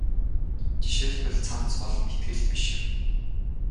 Жишээлбэл цамц бол итгэл биш юм.